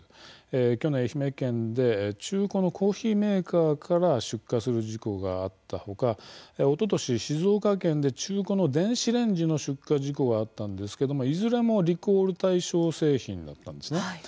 去年、愛媛県で中古のコーヒーメーカーから出火する事故があったほかおととし、静岡県で中古の電子レンジの出火事故があったんですけれども、いずれもリコール対象製品だったんですね。